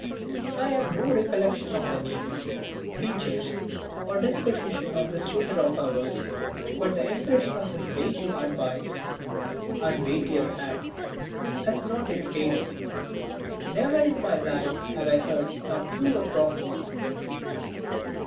I have no recollection of the name, features or disposition of this tutor of ours, but the impression of his weighty advice and weightier hand has not yet faded. Never in my life have I heard a truer prophecy.